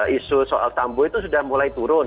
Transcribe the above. isu soal tambu itu sudah mulai turun